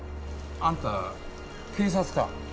あんた警察か？